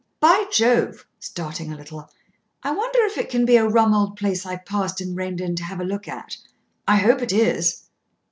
By Jove!" starting a little, "I wonder if it can be a rum old place I passed and reined in to have a look at. I hope it is."